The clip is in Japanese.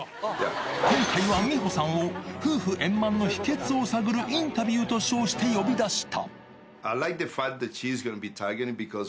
今回は美保さんを、夫婦円満の秘けつを探るインタビューと称して呼び出した。